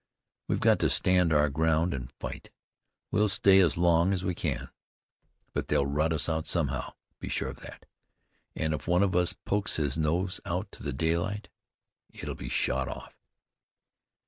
we've got to stand our ground and fight. We'll stay as long as we can; but they'll rout us out somehow, be sure of that. And if one of us pokes his nose out to the daylight, it will be shot off."